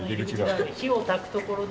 火を焚くところだ。